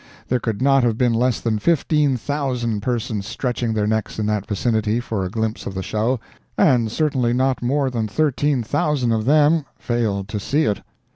There could not have been less than fifteen thousand persons stretching their necks in that vicinity for a glimpse of the show, and certainly not more than thirteen thousand of them failed to see it.